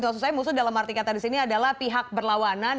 maksud saya musuh dalam arti kata di sini adalah pihak berlawanan